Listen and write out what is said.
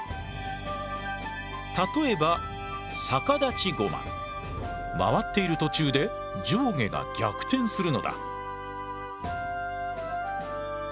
例えば回っている途中で上下が逆転するのだ。